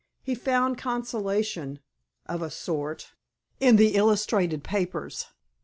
He found consolation, of a sort, in the illustrated papers.